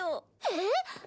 えっ？